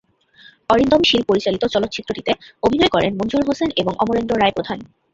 অরিন্দম শীল পরিচালিত চলচ্চিত্রটিতে অভিনয় করেন মনজুর হোসেন এবং অমরেন্দ্র রায় প্রধান।